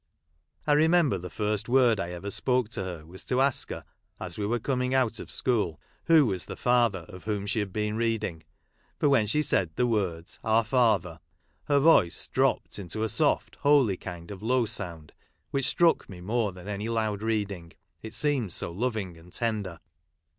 I remember the first word 1 ever spoke to her was to ask her (as we were coming out of school) who was the Father of whom she had been reading, for when she said the words "Our Father," her voice dropped into a soft, holy kind of low sound, which struck me more than any loud reading, it seemed so loving and tender.